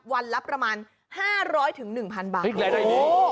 วันละประมาณ๕๐๐ถึง๑๐๐๐บาท